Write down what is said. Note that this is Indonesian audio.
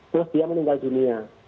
terus dia meninggal dunia